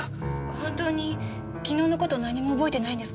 本当に昨日の事何も覚えてないんですか？